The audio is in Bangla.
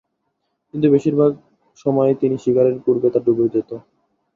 কিন্তু বেশিরভাগ সময়ই তিমি শিকারের পূর্বে তা ডুবে যেত।